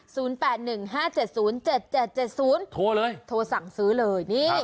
แปดหนึ่งห้าเจ็ดศูนย์เจ็ดเจ็ดเจ็ดศูนย์โทรเลยโทรสั่งซื้อเลยนี่